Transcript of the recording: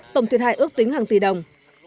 tổng thiệt hại ước tính hàng tỷ đồng